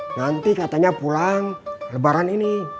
nanti katanya pulang lebaran ini